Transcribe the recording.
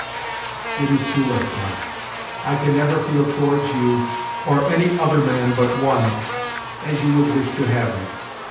"It is too late, March. I can never feel towards you, or any other man but one, as you would wish to have me.